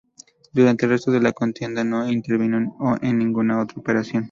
Durante el resto de la contienda no intervino en ninguna otra operación.